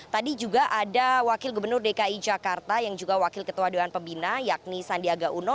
tadi juga ada wakil gubernur dki jakarta yang juga wakil ketua dewan pembina yakni sandiaga uno